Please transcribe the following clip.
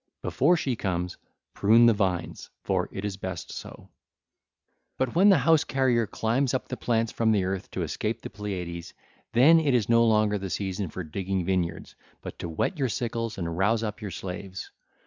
Before she comes, prune the vines, for it is best so. (ll. 571 581) But when the House carrier 1326 climbs up the plants from the earth to escape the Pleiades, then it is no longer the season for digging vineyards, but to whet your sickles and rouse up your slaves.